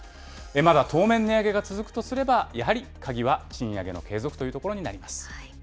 まだ当面、値上げが続くとすれば、やはり鍵は賃上げの継続というところになります。